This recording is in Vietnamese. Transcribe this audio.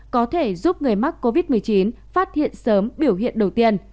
có thể giúp người mắc covid một mươi chín phát hiện sớm biểu hiện đầu tiên